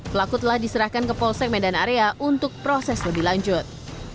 pelaku telah diserahkan ke polsek medan area untuk proses lebih lanjut